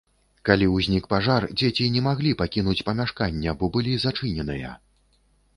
Калі ўзнік пажар, дзеці не маглі пакінуць памяшкання, бо былі зачыненыя.